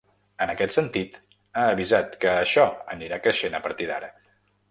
En aquest sentit, ha avisat que “això anirà creixent a partir d’ara”.